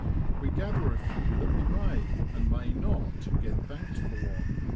We gather a few that we may, and may not, get thanked for.